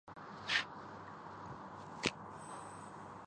hockey ایک ہردلعزیز Europe کا کھیل ہے